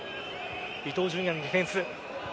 伊東純也のディフェンス。